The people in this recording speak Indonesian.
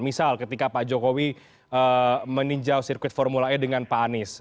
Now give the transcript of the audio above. misal ketika pak jokowi meninjau sirkuit formula e dengan pak anies